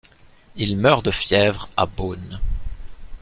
Il meurt de fièvre à Bône.